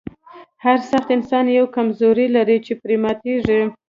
هر سخت انسان یوه کمزوري لري چې پرې ماتیږي